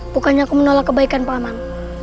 bukannya aku menolak kebaikan pak man